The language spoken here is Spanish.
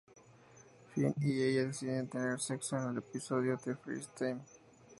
Finn y ella deciden tener sexo en el episodio "The First Time".